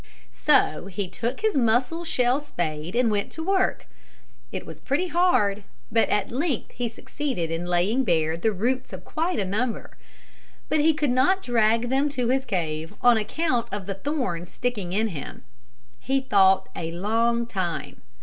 So he took his mussel shell spade and went to work. It was pretty hard, but at length he succeeded in laying bare the roots of quite a number. But he could not drag them to his cave on account of the thorns sticking in him. He thought a long time.